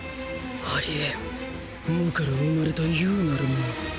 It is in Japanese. ありえん無から生まれた有なるもの。